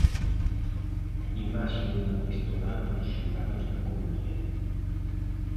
Imaxe dunha vista oral nos xulgados da Coruña.